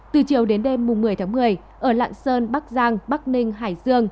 từ chiều đến đêm một mươi tháng một mươi ở lạng sơn bắc giang bắc ninh hải dương